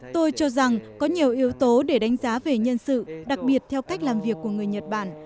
tôi cho rằng có nhiều yếu tố để đánh giá về nhân sự đặc biệt theo cách làm việc của người nhật bản